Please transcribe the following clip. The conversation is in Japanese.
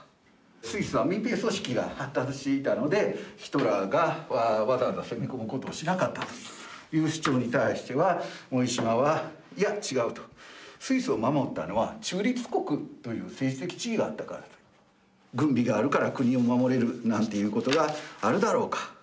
スイスは民兵組織が発達していたのでヒトラーがわざわざ攻め込むことをしなかったという主張に対しては森嶋は「いや違う」とスイスを守ったのは中立国という政治的地位があったから。軍備があるから国を守れるなんていうことがあるだろうか。